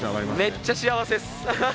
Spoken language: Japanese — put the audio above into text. めっちゃ幸せっす！